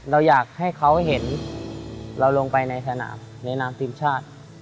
เราอยากให้เขาเห็นเราลงไปในสนามในนามทีมชาติ